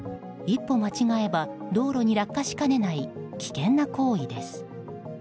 一歩間違えば道路に落下しかねない危険な行為です。